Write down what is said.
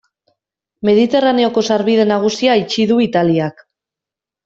Mediterraneoko sarbide nagusia itxi du Italiak.